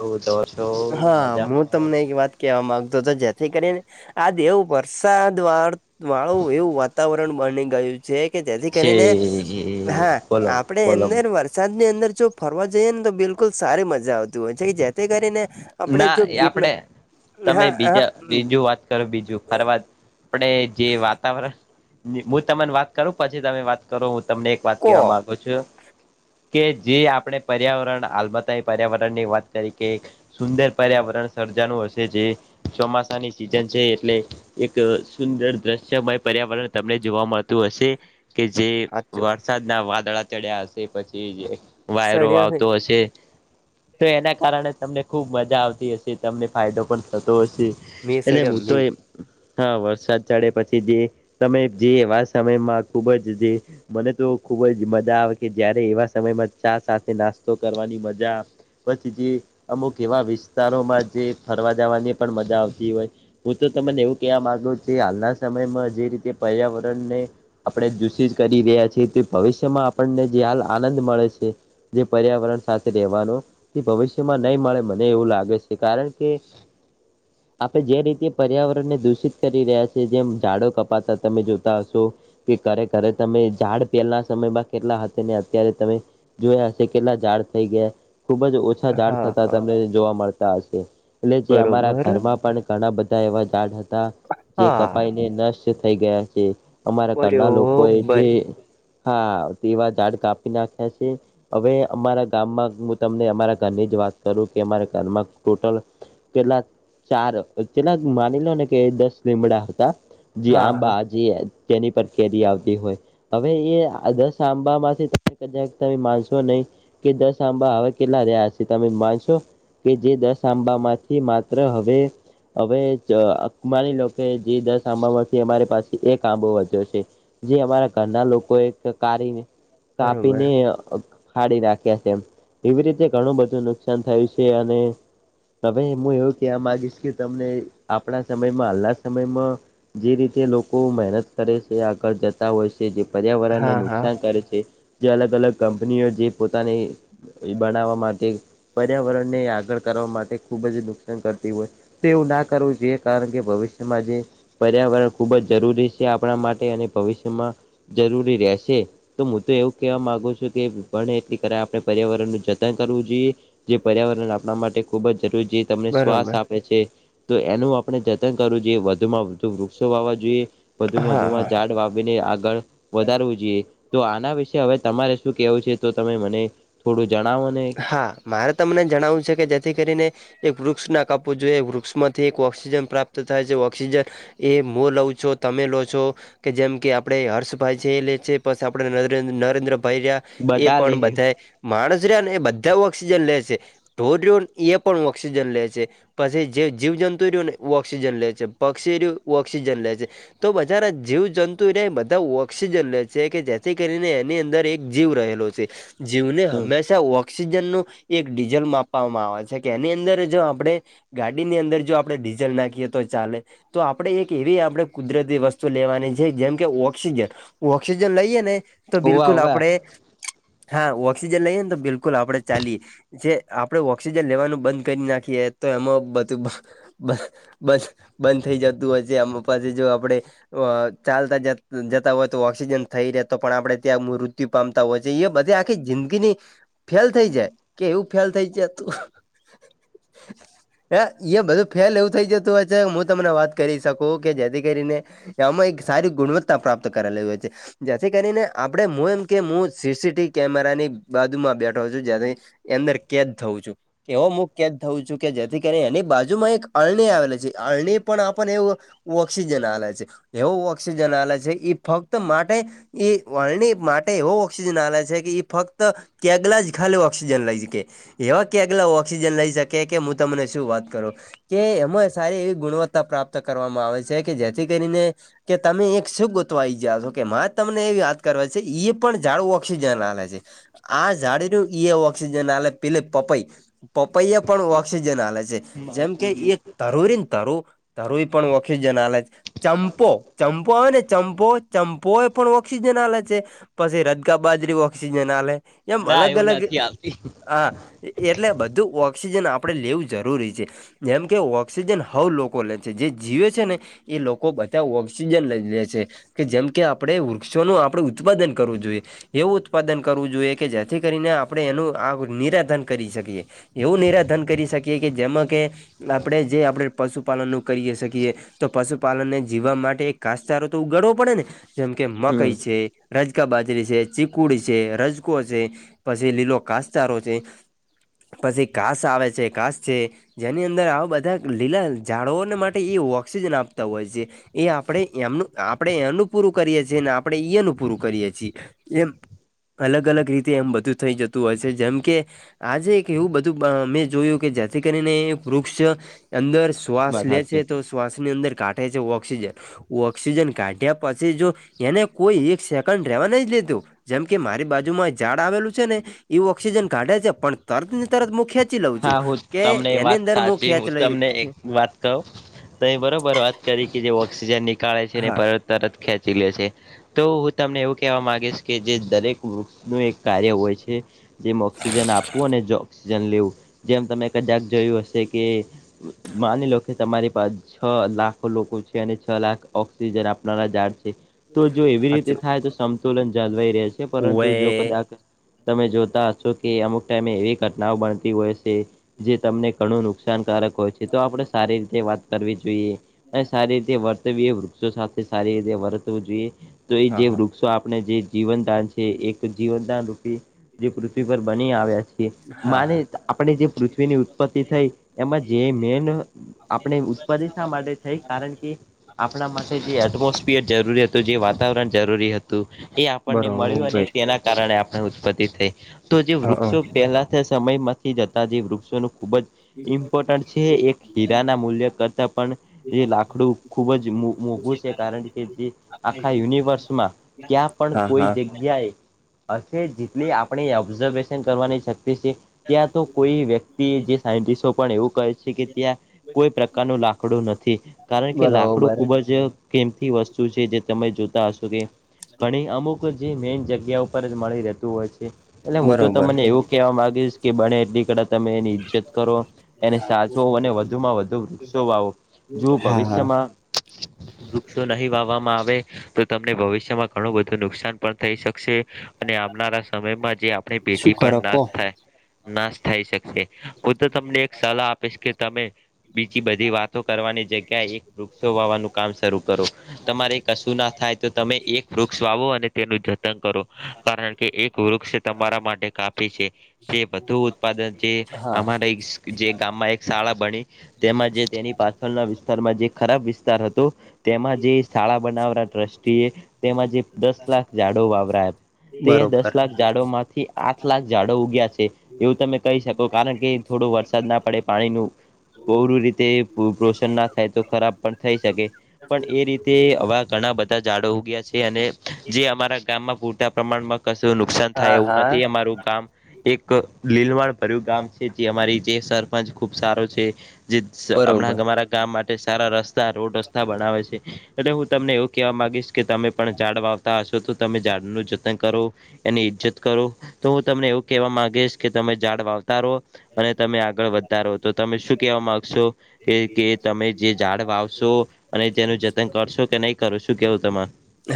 હું તો છો હા હું મજામાં તમને એક વાત કહેવા માંગતો હતો જેથી કરીને દેવ વરસાદ વા એવું વાતાવર ન બની ગયું. છે કે જેથી છે કરીને હા બોલો આપડે બોલો એમને વરસાદની અંદર જો ફરવા જઈએ ને તો બિલકુલ સારી મજા આવતી હોય છે કે જેથી કરી ને ના એ આપડે. તમે હા હા બીજા ઉમ, બીજું વાત કરો બીજું ફરવાદ આપણે જે વાતાવરણ હું તમને વાત કરું પછી તમે વાત કરો હું તમને એક વાત કો કેવા મામાંગુ છું. કે જે આપણે પર્યાવરણ [unintelligible] એ પર્યાવરણ ની વાત કરી કે સુંદર પર્યાવરણ સર્જાનું હશે જે ચોમાસાની સિઝન છે એટલે એક સુંદર દ્રશ્ય પર્યાવરણ તમને જોવા મળતું હશે. કે જે હાચું વરસાદના વાદળા ચડ્યા હશે પછી જે વાયરો સડ્યો હે આવતો હશે તો એના કારણે તમને ખુબ મજા આવતી હશે તમને ફાયદો પણ થતો હશે મી એટલે સડ્યો હું તો મી એ હા વરસાદ ચડે પછી જે તમે જેવા સમયમાં ખુબ જ જે મને તો ખુબ જ મજા આવે કે જયારે એવા સમયમાં ચા સાથે નાસ્તો કરવાની મજા પછી જે અમુક એવા વિસ્તારોમાં જે ફરવા જવાની પણ મજા આવતી હોય હું તો તમને એવું કવા માગુ છું કે હાલના સમયમાં જે રીતે પર્યાવરણને આપણે [unintelligible] કરી રહ્યા છીએ તે ભવિષ્યમાં આપણને જે [unintelligible] આનંદ મળે છે જે પર્યાવરણ સાથે રેવાનું તે ભવિષ્યમાં નઈ મળે મને એવું લાગે છે કારણ કે [inaudible] આપણે જે રીતે પર્યાવરણ ને દૂષિત કરી રહ્યા છીએ જેમ ઝાડો કપાતા તમે જોતા હશો કે ઘરે ઘરે તમે ઝાડ પહેલા સમયમાં કેટલા હતા ને અત્યારે તમે જોયા હશે કેટલા ઝાડ થઈ ગયા ખુબ જ ઓ હા તો હા તમને જોવા મળતા હશે એટલે જે અમારા બરોબર ઘરમાં પણ ઘણા બધા એવાઝાડ હતા જે હા કપાઈને નષ્ટ થઈ ગયા છે અમારા ઘરના લોકો એ જે બરોબર હા તેવા ઝાડ કાપી નાખ્યા છે હવે અમારા ગામમાં હું તમને અમારા ઘરની જ વાત કરું કે અમારા ઘરમાં ટોટલ પેલા ચાર પેલા માની લો ને કે દસ લીમડા હતા જે હા હા આંબાજી તેની પર કેરી આવતી હોય હવે એ દસ આંબામાંથી તમે કદાક તમે માનશો નહી કે દસ આંબા હવા કેટલા રહ્યા છે તમે કે જે દસ આંબામાંથી માત્ર હવે હવે માની લો જે દસ આંબામાંથી અમારી પાસે એક આંબો વધ્યો છે જે અમારા ઘરના લોકો એક કારીને બરોબર કાપીને ખાડી રાખ્યા છે એવી રીતે ઘણું બધું ન નુકસાન થયું છે અને હવે હું એવું કહેવા માગીશ કે તમને આપણા સમયમાં હાલના સમયમાં જે રીતે લોકો મહેનત કરે છે આગળ જતા હોય છે જે પર્યાવરણને હા હા નુકસાન કરે છે જે અલગ અલગ કંપનીઓ જે પોતાની એ બનાવવા માટે પર્યાવરણને આગળ કરવા માટે ખુબ જ નુકસાન કરતી હોય તે એવું ના કરવું જે કારણ કે ભવિષ્યમાં જે પર્યાવરણ ખૂબ જ જરૂરી છે આપણા માટે અને ભવિષ્યમાં જરૂરી રહેશે તો હું તો એવું કહેવા માંગુ છું કે એટલી કર આપણે પર્યાવરણ નું જતન કરવું જોઈએ જે પર્યાવરણ આપણા માટે ખુબ જ જરૂરી છે તમને શ્વાસ બરોબર આપે છે તો એનું આપણે જતન કરવું જોઈએ વધુમાં વધુ વૃક્ષો વાવા જોઈએ હા વધુમાં વધુ માં હા ઝાડ વાવીીને આગળ વધારવું જોઈએ તો આના વિશે હવે તમારે શું કેવું છે તો તમે મને થોડું જણાવો ને હા મારે તમને જણાવવું છે કે જેથી કરીને એક વૃક્ષ ના ક આપપવું જોઈએ વૃક્ષ માંથી એક ઓક્સિજન પ્રાપ્ત થાય છે ઓક્સિજન એ હું લઉં છો તમે લો છો કે જેમ કે આપડે હર્ષભાઈ છે છે પસ આપડ નરેન્દ્રભાઈ એ બધા લે પણ બધા માણસ રહ્યા ને એ બધા ઓક્સિજન લેશે ઢોર એ પણ ઓક્સિજન લે છે પછી જીવ જંતુ રહ્યુંને ઓક્સિજન લે છે પક્ષી રહ્યું ઓઑક્સિજન લે છે તો બધાર જીવ જંતુ એને બધા ઓક્સિજન લે છે કે જેથી કરીને એની અંદર એક જીવ રહેલો છે જીવને હંમેશા ઓક્સિજન નું એક ડીઝલ માપવામાં આવે છે, કે એની અંદર જો આપણે ગાડીની અંદર જો આપડણે ડીઝલ નાખીએ તો ચાલે, તો આપડણે એક એવી આપણે કુદરતી વસ્તુ લેવાની છે, જેમ કે ઓક્સિજન ઓક્સિજન લઈએ ને તો હોવા બિલકુલ હોવા આપડે હા ઓક્સિજન લઈએ ને તો બિલકુલ આપડે ચાલી જે આપણે ઓક્સિજન લેવાનું બંધ કરી નાખીએ, તો એમાં બધું બ બ બંધ થઈ જતું હોય છે, આમાં પાસે જો આપડે અ ચાલતા જ જતા હોય તો ઓક્સિજન થઈ, રહેતો પણ આપડે ત્યાં મૃત્યુ પામતા હોય છે, એ બધે આખી જિંદગીની ફેલ થઈ જાય કે એવું ફેલ થઈ જાય તું [unintelligible] હ એ બધું ફેલ એવું થઈ જતું હોય છે, હું તમને વાત કરી શકું કે જેથી કરીને, એમાં એક સારી ગુણવત્તા પ્રાપ્ત કરેલી હોય છે, જેથી કરીને આપડે હું એમ કે હું સીસીટીવી કેમેરાની બાજુ માં બેઠ છું જથી અંદર કેદ થવું છું. એવો મુખ કેદ થઉું છું કે જેથી કરીને એની બાજુ માં એક અરણી આવેલી છે, અરણી પણ આપને એવું ઓઑક્સિજન આલય છે એવો ઓક્સિજન આલય છે, એ ફક્ત માટે એ વાળણી માટે એવો ઓક્સિજન આવે છે, કે ફક્ત ક્યાંક ખાલી ઓક્સિજન લઈ શકે એવા કે આગલા ઓક્સિજન લઈ શકે કે હું તમને શું વાત કરું. કે એમાં સારી એવી ગુણવત્તા પ્રાપ્ત કરવામાં આવે છે, કે જેથી કરીને કે તમે એક શું ગોતવા ઈ જયા છો કે મા જ તમને એવી વાત કરવા છે એ પણ જાડું ઓક્સિજન લલેે છે. આ ઝાડ નું ઈ ઓક્સિજન આલે પેલે પપાઈ પપૈયા પણ ઓક્સિજન હાલે છે, જેમ કે એક તરુઈને તરુ તરુઈ પણ વખી જ નાલે છે, ચંપો ચંપો આવે ને ચંપો ચંપો એ પણ ઓક્સિજન હાલે છે. પછી રદગા બાજરી ઓક્સિજન આલે એમ ના અલગ એવું અલગ નથી આવતી હા, એટલે બધું ઓક્સિજન આપડે લેવું જરૂરી છે. જેમ કે ઓક્સિજન હવ લોકો લે છે જે જીવે છે, ને એ લોકો બધા ઓક્સિજન લઈ લે છે. કે જેમ કે આપડે વૃક્ષોનું આપડે ઉત્પાદન કરવું જોઈએ, એવું ઉત્પાદન કરવું જોઈએ, કે જેથી કરીને આપણે એનું આ નિરાધન કરી શકીએ એવું નિરાધન કરી શકીએ, કે જેમાં કે આપણે જે આપણે પશુપાલનનું કરીએ શકીએ, તો પશુપાલનને જીવવા માટે કાસચારો તો ઉગાડવો પડે ને જેમ કે હમ મકઈ છે, રજકા બાજરી છે, ચીકુડી છે, રજકો છે, પછી લીલો ઘાસચારો છે, પછી ઘાસ આવે છે ઘાસ છે. જેની અંદર આવા બધા લીલા ઝડોઓને માટે એ ઓઑક્સિજન આપતા હોય છે. એ આપણે એમનું આપણે એનું પૂરું કરીએ છીએ, ને આપણે ઈ એનું પૂરું કરીએ છીએ. એમ અલગ અલગ રીતે એમ બધું થઈ જતું હોય છે, જેમ કે આજે એક એવું બધું મેં જોયું કે જેથી કરીને વૃક્ષ અંદર શ્વાસ વાત લે સાચી છે, તો શ્વાસની અંદર કાઢે છે ઓક્સિજન ઓઑક્સિજન કાઢ્યા પછી જો એને કોઈ એક સેકન્ડ રહેેવા નઈ લેતો જેમ કે મારી બાજુમાં ઝાડ આવેલું છે ને એવું ઓક્સિજન કાઢે છે, પણ તરત ને તરત મુખે હા, હું તમને એ વાત સાચી ખેંચ હું લઈ તમને એક વાત ક તોહી બરોબર વાત કરી કે જે ઓક્સિજન નીકળે છે, નેત હા તરત ખેંચી લે છે તો હું તમને એવું કહેવા માંગીશ કે જે દરેક વૃક્ષનું એક કાર્ય હોય છે, જેમ ઓક્સિજન આપવું અને ઓક્સિજન લેવું જેમ તમે કદાક જોયું હશે કે માની લો કે તમારી પાસે છ લાખો લોકો છે અને છ લાખ ઓક્સિજન આપનારા જાડ છે તો જો એવી રીતે હાચું થાય તો સમતુલન જાળવાઈ રહે છે, ઓવે પરંતુ જો કદાચ તમે જોતા હશો કે અમુક ટાઈમે એવી ઘટનાઓ બનતી હોય, જે તમને ઘણું નુકસાનકારક હોય છે, તો આપણે સારી રીતે વાત કરવી જોઈએ અને સારી રીતે વર્તવીએ વૃક્ષો સાથે સારી રીતે વર્તવું જોઈએ, તો એ હા જે હા વૃક્ષો આપણે જે જીવનદાન છે, એક જીવનદાન રૂપી જે પૃથ્વી પર બની આવ્યા છે, હા મારે હા આપણી જે પૃથ્વીની ઉત્પત્તિ થઈ એમાં જે મેન આપણે ઉત્પાદ શા માટે છે કારણ કે આપણા માટે જે એટમોસ્ફિયર જરૂરી હતું જે વાતાવરણ જરૂરી હતું. એ આપણને મળ્યું અને બરોબર તેના કારણે આપણે ઉત્પત્તિ થઈ. તો જે હા હા વૃક્ષો પહેલા સમયમાંથી જતા જે વૃક્ષોનું ખૂબ જ ઇમ્પોર્ટન્ટ છે એક હીરાના મૂલ્ય કરતાં પણ એ લાકડું ખુબ જ મોઘું છે કારણ કે જે આખા યુનિવર્સમાં ક્યાં પણ હા કોઈ હા જગ્યા જગ્યાએ અ જેટલી આપણે ઓબ્ઝર્વેશન કરવાની શક્તિ છે. ત્યાં તો કોઈ વ્યક્તિ જે સાયન્ટિસ્ટો પણ એવું કહે છે કે ત્યાં કોઈ પ્રકારનું લાકડું નથી કારણ કે લાકડું બરોબર ખુબ જ કેમથી વસ્તુ છે. જે તમે જોતા હશો કે ઘણી અમુક જે મેન જગ્યા ઉપર જ મળી રહેતું હોય છે એટલે હું તો બરોબર. તમને એવું કેહેવા માંગીશ કે બને એટલી કર તમે એની ઈજ્જત કરો એને સાચવો અને વધુમાં વધુ વૃક્ષો વાવો. જો હા હા ભવશમાં વૃક્ષો નહીં વાવામાં આવે તો તમને ભવિષ્યમાં ઘણું બધું નુકસાન પણ થઈ શકશે. અને આવનારા સમયમાં જે આપણી શું પેટી ખરો પણ કો. નાશ થાય. નાશ થાય શકશે હું તો તમને એક સલાહ આપીશ કે તમે બીજી બધી વાતો કરવાની જગ્યાએ એક વૃક્ષો વાવાનું કામ શરૂ કરો. તમારે કશું ના થાય તો તમે એક વૃક્ષ વાવો અને તેનું જતન કરો કારણ કે એક વૃક્ષ તમારા માટે કાફી છે. જે હ. વધુ ઉત્પાદન જે અમારે જે ગામમાં એક શાળા બની તેમાં જે તેની પાછળના વિસ્તારમાં જે ખરાબ વિસ્તાર હતો. તેમાં જે શાળા બનાવરા ટ્રસ્ટી એ તેમાં જે દસ લાખ ઝાડો વાવરા તે બરોબર. દસ લાખ ઝાડોમાંથી આઠ લાખ ઝાડો ઉગ્યા છે. એવું તમે કહી શકો કારણ કે થોડો વરસાદ ના પડે પાણીનું પૂરું રીતે રોષણ ના થાય તો ખરાબ પણ થઈ શકે. પણ એ રીતે હવા ઘણા બધા જાઝાડો ઉગયા છે અને જે અમારા ગામમાં પટા પ્રમાણમાં કશું નુકસાન થાય હા એવું હા નથી અમારું ગામ એક લીલવાણ ભર્યું ગામ છે જે અમારી જે સરપંચ ખુબ સારો છે જે બરોબર હમણાંમારા કામ માટે સારા રસ્તા રોડ રસ્તા બનાવે છે. એટલે હું તમને એવું કહેવા ગીશ કે તમે પણ ઝાડ વાવતા હશો તો તમે ઝાડનું જતન કરો. એની ઈજ્જત કરો તો હું તમને એવું કેહેવા માંગીશ કે તમે ઝાડ વાવતા રહો અને તમે આગળ વધતા રહો તો તમે શું કેહેવા માંગશો. કે કે તમે જે ઝાડ વાવશો અને તેનું જતન કરશો કે નહી કરો શું કેવું તમાર?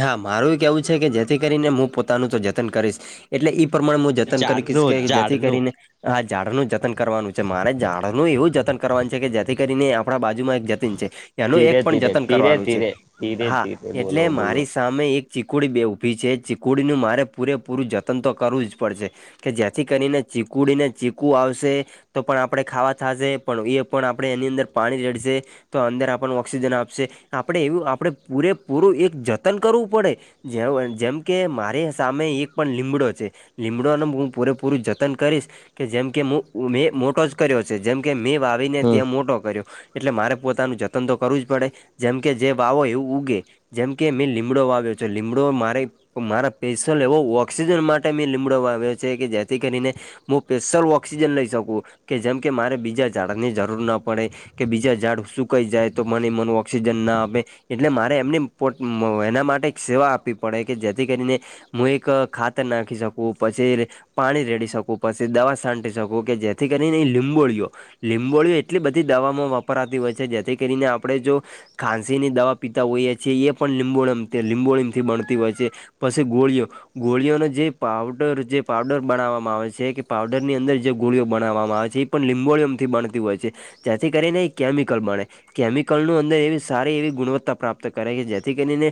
હા મારું એ કેવું છે કે જેથી કરીને હું પોતાનું તો જતન કરીશ એટલે ઈ પ્રમાણે જતન ઝાડનું કરી જથી ઝાડનું કરીને હા ઝાડનું જતન કરવાનું છે મારે ઝાડનું એવું જતન કરવાનું છે કે જેથી કરીને આપણા બાજુમાં એક જતીન છે એનું એક ધીરે પણ ધીરે જતન ધીરે કરવાનું છે ધીરે ધીરે હા ધીરે બોલો એટલે બોલો મારી સામે એક ચીકુડી બે ઊભી છે ચીકુડીનું મારે પૂરેપૂરું જતન તો કરવું જ પડશે. કે જે્યાંથી કરીને ચીકુડીને ચીકુ આવશે. તો પણ આપણે ખાવા થશે પણ એ પણ આપણે એની અંદર પાણી રડશે તો અંદર આપણને ઓક્સિજન આપશે આપડે એવું આપણે પૂરેપૂરું એક જતન કરવું પડે જે જેમ કે મારી સામે એક પણ લીમડો છે. લીમડાોનું હું પૂરેપૂરું જતન કરીશ કે જેમકે મેં મોટો જ કર્યો છે જેમકે મેં વાવીને હમ ત્યાં મોટો કર્યો. એટલે મારે પોતાનું જતન તો કરવું જ પડે જેમ કે જે વાવો એવું ઉગે. જેમ કે મેં લીમડો વાવ્યો છે લીમડો મારે તો મારા પેશલ એવો ઓક્સિજન માટે મેં લીમડો વાવ્યો છે કે જેથી કરીને હું સ્પેશિયલ ઓક્સિજન લઈ શકું કે જેમ કે મારે બીજા ઝાડાની જરૂર ના પડે કે બીજા ઝાડ સુુંકાઈ જાય તો મને મનો ઓક્સિજન ના આપે એટલે મારે એમને પોટ મો એના માટે એક સેવા આપવી પડે કે જેથી કરીને હું એક ખાતર નાખી શકું પછી એ પાણી રેડી શકું પછી દવા છંટી શકું કે જેથી કરીને એ લીંબોળીઓ લીંબોળીઓ એટલી બધી દવામાં વપરાતી હોય છે જેથી કરીને આપણે જો ખાંસી ની દવા પીતા હોઈએ છીએ એ પણ લીંબોમ લીંબોળમથી બણતી હોય છે. પછી ગોળીઓ ગોળીઓનો જે પાવડર જે પાવડર બનાવવામાં આવે છે કે પાવડર ની અંદર જે ગોળીઓ બનાવવામાં આવે છે એ પણ લીંબોળયમથી બણતી હોય છે. જેથી કરીને એ કેમિકલ બને કેમિકલ નું અંદર એવી સારી એવી ગુણવત્તા પ્રાપ્ત તા કરે એ જેથી કરીને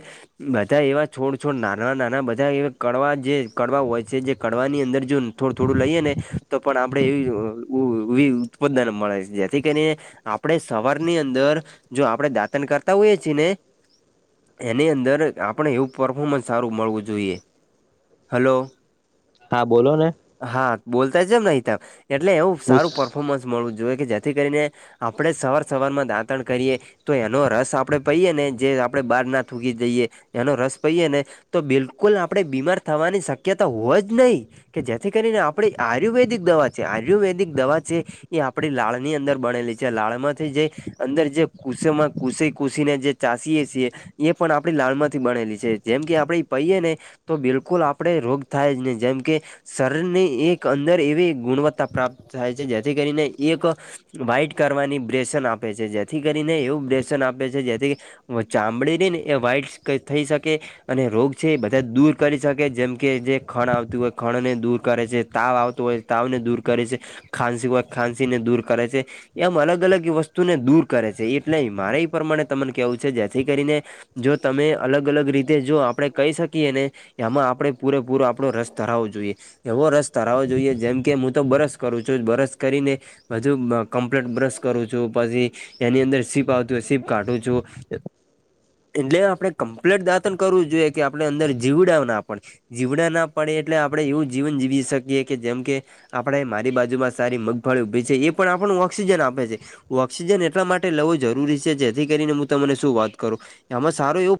બધા એવા છોડ છોડ નાના નાના બધા એવા કડવા જે કડવા હોય છે જે કડવા ની અંદર જો થોડું થોડું લઈએ ને તો પણ આપણે એવી ઉ ઉ ઉઈ ઉત્પાદન મળે જેથી કરીને આપડે સવાર ની અંદર જો આપડે દાંતન કરતા હોઈએ છીએ ને એની અંદર આપણે એવું પરફોમન્સ સારું મળવું જોઈએ હલો. હા બોલો ને. હા બોલતા જેમ નહીં તા એટલે એવું હું સારું પર્ફોર્મન્સ મળવું જોઈએ કે જેથી કરીને આપડે સવાર સવારમાં દાંતણ કરીએ તો એનો રસ આપડે પહીએ ને જે આપડે બહાર ના થૂકી દઈએ એનો રસ પઈએ ને તો બિલકુલ આપણેે બીમાર થવાની શક્યતા હોય જ નહીં. કે જેથી કરીને આપણેે આયુર્વેદિક દવા છે આયુર્વેદિક દવા જે એ આપડી લાળ ની અંદર બનેલી છે લાળ માંથી જે અંદર જે કુસેમાં કુસે કુસી ને જે ચાશીએ છીએ એ પણ આપણી લાળમાંથી બનેલી છે જેમ કે આપણેે એ પહીએ ને તો બિલકુલ આપડણે રોગ થાય જ ને જેમ કે શરીરની એક અંદર એવી ગુણવત્તા પ્રાપ્ત થાય છે જેથી કરીને એક વાઈટ કરવાની બેશન આપે છે જેથી કરીને એવું બ્રેેશન આપે છે જેથી વા ચામડી રહી ને એ વ્હાઈટ થઈ શકે અને રોગ છે એ બધા દૂર કરી શકે જેમ કે જે ખણ આવતું હોય ખણને દૂર કરે છે તાવ આવતો હોય તાવને દૂર કરે છે ખંસી ઓ ખાંસીને દૂર કરે છે. એમ અલગ અલગ વસ્તુને દૂર કરે છે એટલે મારે એ પ્રમાણે તમને કેવું છે જેથી કરીને જો તમે અલગ અલગ રીતે જો આપડે કહી શકીએ ને એમાં આપડે પૂરેપૂરો આપડો રસ ધરાવો જોઈએ. એવો રસ ધરાવો જોઈએ જેમ કે હું તો બરસ કરું છું બરસ કરીને હજુ બા કમ્પ્લીટ બ્રશ કરું છું પછી એની અંદર સીપ આવતી હો સીપ કાઢું છું. એ એટલે આપડે કમ્પ્લીટ દાંતન કરવું જોઈએ કે આપણે અંદર જીવડાવ ના પણ જીવડા ના પડે એટલે આપડે એવું જીવન જીવી શકીએ કે જેમ કે આપડે મારી બાજુમાં સારી મગફાળી ભી છે એ પણ આપણું ઓક્સિજન આપે છે. ઓક્સિજન એટલા માટે લેવો જરૂરી છે જેથી કરીને હું તમને શું વાત કરું એમાં સારો એવું